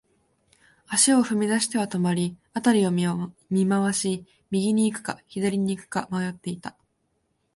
足を踏み出しては止まり、辺りを見回し、右に行くか、左に行くか迷っていた。